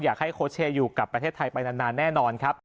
อยากให้โคเชียร์อยู่กับประเทศไทยไปนานแน่นอนครับ